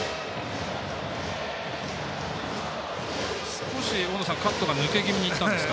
少しカットが抜け気味にいったんですか。